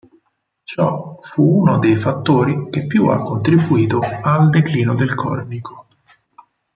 Ciò fu uno dei fattori che più ha contribuito al declino del cornico.